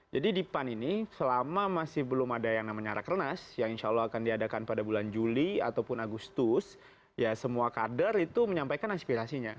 jadi di pan ini selama masih belum ada yang namanya rakrenas yang insya allah akan diadakan pada bulan juli ataupun agustus ya semua kader itu menyampaikan aspirasinya